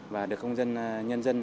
và được công dân nhân dân